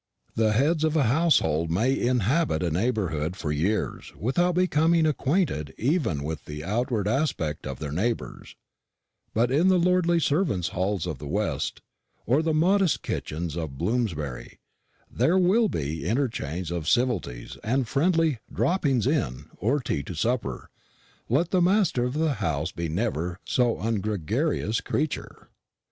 The heads of a household may inhabit a neighbourhood for years without becoming acquainted even with the outward aspect of their neighbours; but in the lordly servants' halls of the West, or the modest kitchens of Bloomsbury, there will be interchange of civilities and friendly "droppings in" to tea or supper, let the master of the house be never so ungregarious a creature.